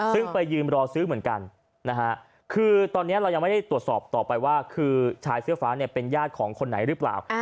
ซึ่งไปยืมรอซื้อเหมือนกันนะฮะคือตอนนี้เรายังไม่ได้ตรวจสอบต่อไปว่าคือชายเสื้อฟ้าเนี่ยเป็นญาติของคนไหนหรือเปล่า